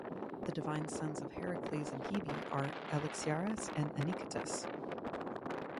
The divine sons of Heracles and Hebe are Alexiares and Anicetus.